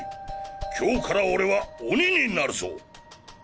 今日から俺は鬼になるぞ。